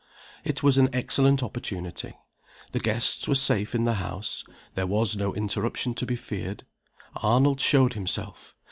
It was an excellent opportunity. The guests were safe in the house there was no interruption to be feared, Arnold showed himself.